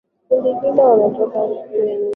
indi kile wametoka kwenye